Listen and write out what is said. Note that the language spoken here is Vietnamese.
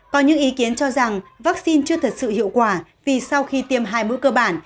có những ý kiến cho rằng vaccine chưa thật sự hiệu quả vì sau khi tiêm hai bữa cơ bản